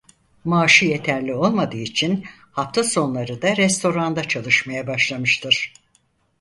Maaşı yeterli olmadığı için hafta sonları da restoranda çalışmaya başlamıştır.